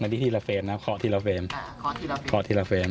อันนี้ทีละเฟรมนะครับคอร์ตทีละเฟรมคอร์ตทีละเฟรม